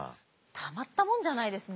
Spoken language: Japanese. たまったもんじゃないですね。